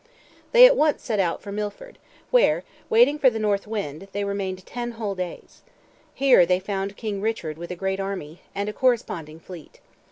They at once set out for Milford, where, "waiting for the north wind," they remained "ten whole days." Here they found King Richard with a great army, and a corresponding fleet.